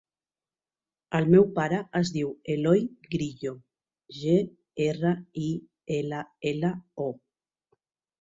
El meu pare es diu Eloi Grillo: ge, erra, i, ela, ela, o.